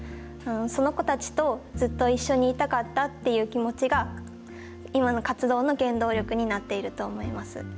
その子たちとずっと一緒にいたかったっていう気持ちが、今の活動の原動力になっていると思います。